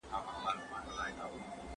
که کار وي نو انرژي نه ضایع کیږي.